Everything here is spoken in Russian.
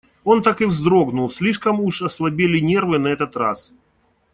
Он так и вздрогнул, слишком уже ослабели нервы на этот раз.